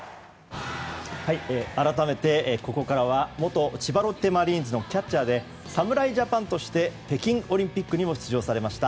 改めてここからは元千葉ロッテマリーンズのキャッチャーで侍ジャパンとして北京オリンピックにも出場されました